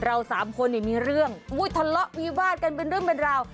สามคนเนี่ยมีเรื่องอุ้ยทะเลาะวิวาดกันเป็นเรื่องเป็นราว